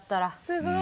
すごい。